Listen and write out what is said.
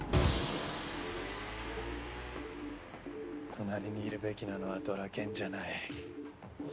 「隣にいるべきなのはドラケンじゃない。